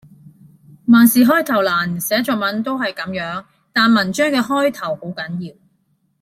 萬事開頭難，寫作文也係如此，但文章嘅開頭很緊要